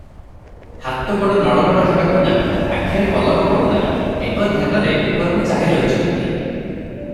ହାତ ଗୋଡ଼ ନଡ଼ ବଡ଼ ହେବାକୁ ନାହିଁ, ଆଖିରେ ପଲକ ପଡୁ ନାହିଁ, ଏକଧ୍ୟାନରେ ଉପରକୁ ଚାହିଁରହିଛନ୍ତି ।